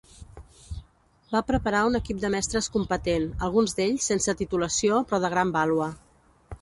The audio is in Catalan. Va preparar un equip de mestres competent, alguns d'ells sense titulació però de gran vàlua.